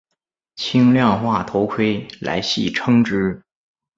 轻量化头盔来戏称之。